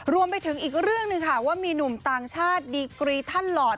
รวมไปถึงอีกเรื่องหนึ่งค่ะว่ามีหนุ่มต่างชาติดีกรีท่านหลอด